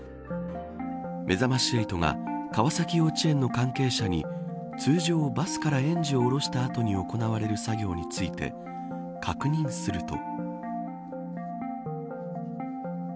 めざまし８が川崎幼稚園の関係者に通常、バスから園児を降ろした後に行われる作業について確認すると。